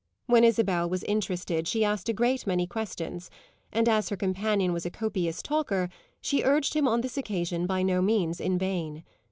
When Isabel was interested she asked a great many questions, and as her companion was a copious talker she urged him on this occasion by no means in vain.